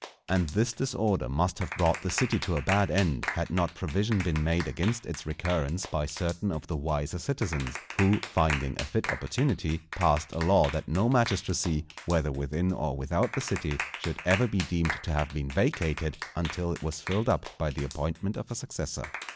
And this disorder must have brought the city to a bad end, had not provision been made against its recurrence by certain of the wiser citizens, who, finding a fit opportunity, passed a law that no magistracy, whether within or without the city, should ever be deemed to have been vacated until it was filled up by the appointment of a successor.